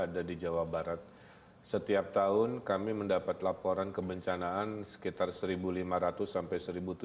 ada di jawa barat setiap tahun kami mendapat laporan kebencanaan sekitar satu lima ratus sampai satu tujuh ratus